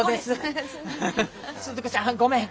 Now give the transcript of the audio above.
スズ子ちゃんごめん。